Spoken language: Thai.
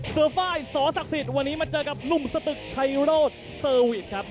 เสื้อฝ้ายสศักดิ์สิทธิ์วันนี้มาเจอกับนุ่มสตึกชัยโรธสวิทครับ